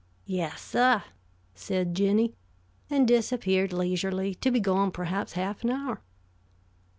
"Yessah," said Jinny, and disappeared leisurely, to be gone perhaps half an hour.